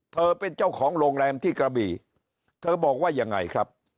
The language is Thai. เธอเป็นเจ้าของโรงแรมที่กระบี่เธอบอกว่ายังไงครับ